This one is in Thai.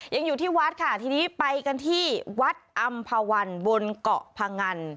ยังอยู่ที่วัดค่ะทีนี้ไปกันที่วัดอำภาวันบนเกาะพงัน